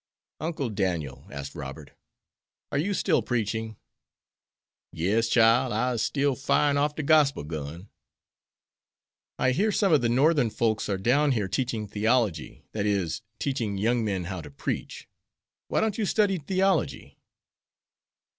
"Uncle Daniel," asked Robert, "are you still preaching?" "Yes, chile, I'se still firing off de Gospel gun." "I hear some of the Northern folks are down here teaching theology, that is, teaching young men how to preach. Why don't you study theology?"